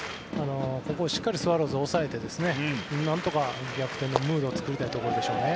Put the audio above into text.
ここをしっかりスワローズは抑えてなんとか逆転のムードを作りたいところでしょうね。